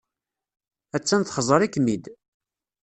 Attan txeẓẓer-ikem-id.